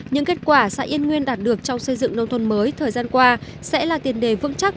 những kết quả xã yên nguyên đạt được trong xây dựng nông thôn mới thời gian qua sẽ là tiền đề vững chắc